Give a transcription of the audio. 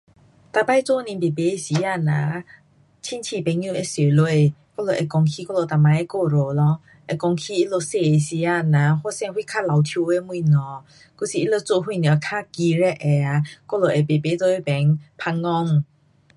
每次做年的时间哪，亲戚朋友会坐下。我们会讲起我们从前的故事咯。会讲起他们小的时候发生甚较滑稽的东西，还是他们做什么较奇怪的啊